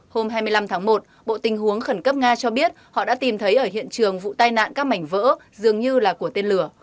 hôm hai mươi năm tháng một bộ tình huống khẩn cấp nga cho biết họ đã tìm thấy ở hiện trường vụ tai nạn các mảnh vỡ dường như là của tên lửa